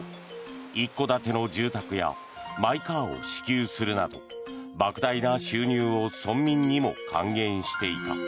一戸建ての住宅やマイカーを支給するなどばく大な収入を村民にも還元していた。